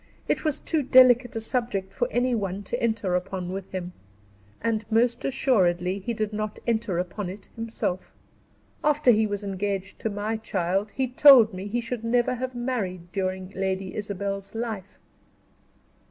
It was too delicate a subject for any one to enter upon with him, and most assuredly he did not enter upon it himself. After he was engaged to my child, he told me he should never have married during Lady Isabel's life."